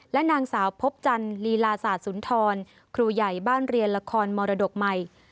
และนางสาวพบจันลีลาศาสสุนทรครูใหญ่บ้านเรียนละครมรดกใหม่